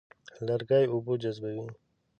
لرګی اوبه جذبوي.